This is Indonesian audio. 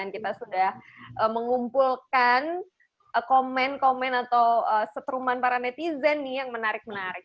kita sudah mengumpulkan komen komen atau setruman para netizen nih yang menarik menarik